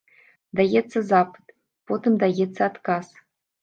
Даецца запыт, потым даецца адказ.